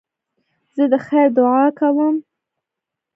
زه د خیر دؤعا کوم.